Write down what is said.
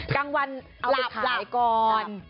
กลางวันอาหารแผลก่อน